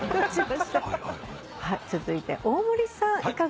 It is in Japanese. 続いて大森さんいかがですか？